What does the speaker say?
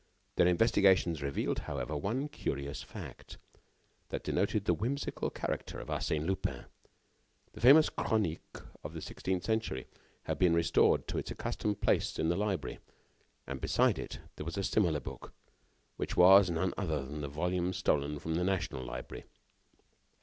Their investigations revealed, however, one curious fact that denoted the whimsical character of Arsène Lupin: the famous Chronique of the sixteenth century had been restored to its accustomed place in the library and, beside it, there was a similar book, which was none other than the volume stolen from the National Library.